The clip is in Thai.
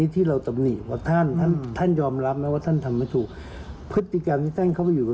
ถ้าไปอยู่ไหนไม่ได้ก็จะมาศึกที่ไหนก็ไป